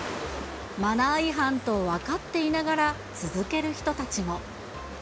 マナー違反と分かっていながら、続ける人たちも。